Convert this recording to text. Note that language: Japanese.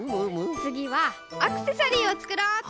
つぎはアクセサリーをつくろうっと！